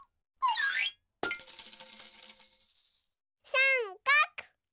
さんかく！